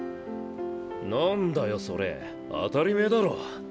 何だよそれ当たり前ぇだろ。